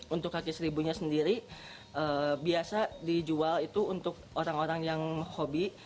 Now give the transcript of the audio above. untuk kaki seribunya sendiri biasa dijual itu untuk orang orang yang hobi